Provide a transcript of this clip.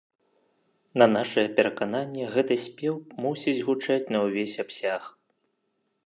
На нашае перакананне, гэты спеў мусіць гучаць на ўвесь абсяг.